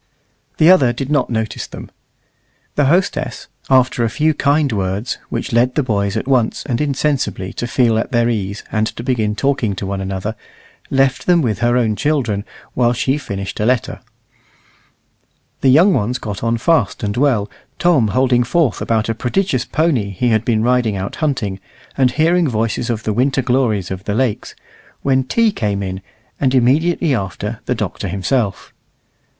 The other did not notice them. The hostess, after a few kind words, which led the boys at once and insensibly to feel at their ease and to begin talking to one another, left them with her own children while she finished a letter. The young ones got on fast and well, Tom holding forth about a prodigious pony he had been riding out hunting, and hearing stories of the winter glories of the lakes, when tea came in, and immediately after the Doctor himself.